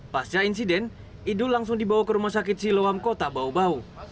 pasca insiden idul langsung dibawa ke rumah sakit siloam kota bau bau